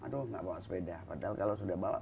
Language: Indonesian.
aduh gak bawa sepeda padahal kalau sudah balap